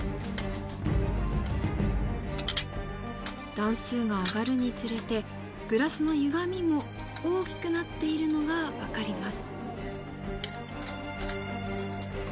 段数が上がるにつれてグラスの歪みも大きくなっているのがわかります。